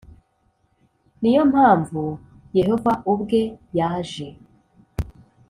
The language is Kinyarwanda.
Ni yo mpamvu Yehova ubwe yaje